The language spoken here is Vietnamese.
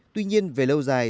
tuy nhiên về lâu dài